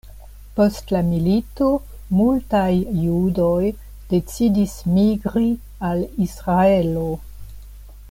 Post la milito, multaj judoj decidis migri al Israelo.